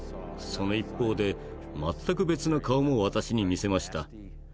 その一方で全く別な顔も私に見せました。